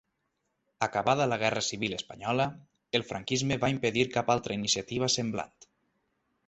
Acabada la guerra civil espanyola, el franquisme va impedir cap altra iniciativa semblant.